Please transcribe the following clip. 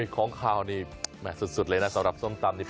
ของขาวนี้และสุดเลยสำหรับส้มตำนี้